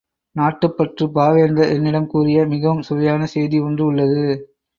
நாட்டுப் பற்று பாவேந்தர் என்னிடம் கூறிய மிகவும் சுவையான செய்தி ஒன்று உள்ளது.